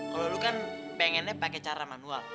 kalo lu kan pengennya pakai cara manual